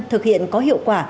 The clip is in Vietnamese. thực hiện có hiệu quả